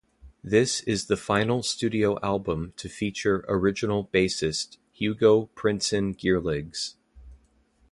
This is the final studio album to feature original bassist Hugo Prinsen Geerligs.